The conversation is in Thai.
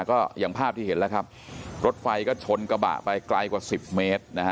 ก็อย่างภาพที่เห็นแล้วครับรถไฟก็ชนกระบะไปไกลกว่าสิบเมตรนะฮะ